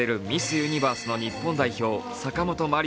・ユニバースの日本代表、坂本麻里